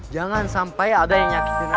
jangan sampai ada yang nyakitin raya